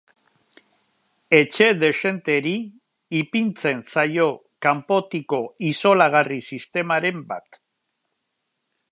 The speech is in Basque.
Etxe dexenteri ipintzen zaio kanpotiko isolagarri sistemaren bat.